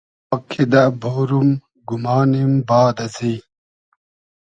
پاک کیدہ بۉروم گومانیم باد ازی